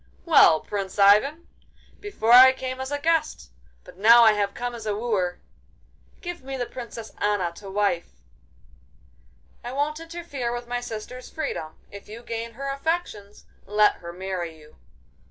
'Well, Prince Ivan! Before I came as a guest, but now I have come as a wooer! Give me the Princess Anna to wife.' 'I won't interfere with my sister's freedom. If you gain her affections, let her marry you.